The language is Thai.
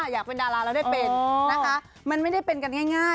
อยากเป็นดาราแล้วได้เป็นนะคะมันไม่ได้เป็นกันง่าย